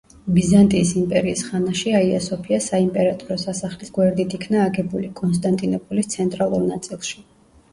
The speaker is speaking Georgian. ბიზანტიის იმპერიის ხანაში აია-სოფია საიმპერატორო სასახლის გვერდით იქნა აგებული კონსტანტინოპოლის ცენტრალურ ნაწილში.